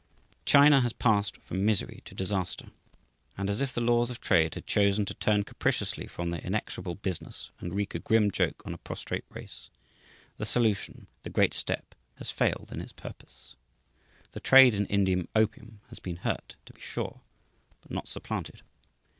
China has passed from misery to disaster. And as if the laws of trade had chosen to turn capriciously from their inexorable business and wreak a grim joke on a prostrate race, the solution, the great step, has failed in its purpose. The trade in Indian opium has been hurt, to be sure, but not supplanted.